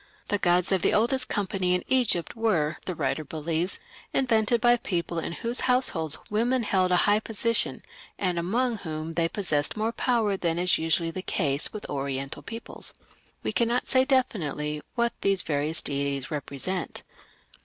The gods of the oldest company in Egypt were, the writer believes, invented by people in whose households women held a high position, and among whom they possessed more power than is usually the case with Oriental peoples." We cannot say definitely what these various deities represent.